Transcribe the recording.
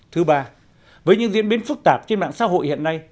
thứ ba với những diễn biến phức tạp trên mạng xã hội hiện nay